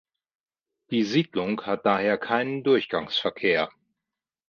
Die Siedlung hat daher keinen Durchgangsverkehr.